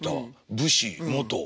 武士元。